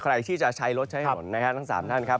ใครที่จะใช้รถใช้ถนนนะครับทั้ง๓ท่านครับ